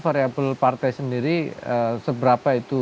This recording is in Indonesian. variable partai sendiri seberapa itu